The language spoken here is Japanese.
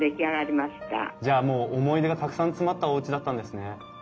じゃあもう思い出がたくさん詰まったおうちだったんですね。